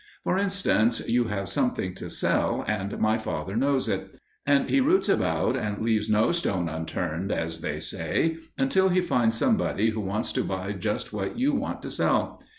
For instance, you have something to sell, and my father knows it. And he routs about and leaves no stone unturned, as they say, until he finds somebody who wants to buy just what you want to sell.